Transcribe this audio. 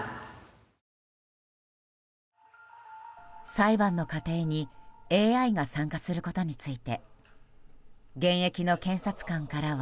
裁判の過程にＡＩが参加することについて現役の検察官からは。